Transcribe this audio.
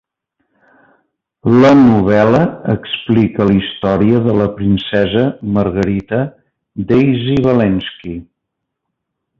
La novel·la explica la història de la princesa Margarita "Daisy" Valensky.